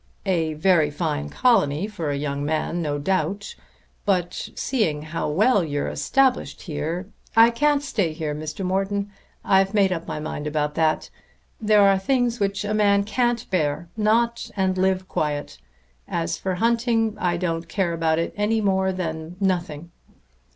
"A very fine colony for a young man, no doubt. But, seeing how well you are established here ." "I can't stay here, Mr. Morton. I've made up my mind about that. There are things which a man can't bear, not and live quiet. As for hunting, I don't care about it any more than nothing."